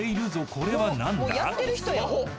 これは何だ？］